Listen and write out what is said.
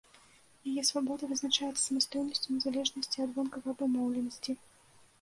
Яе свабода вызначаецца самастойнасцю і незалежнасцю ад вонкавай абумоўленасці.